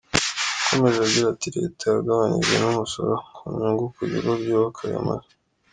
Yakomeje agira ati “Leta yagabanyije n’umusoro ku nyungu ku bigo byubaka aya mazu.